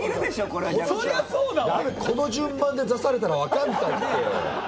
この順番で出されたらわかんないって。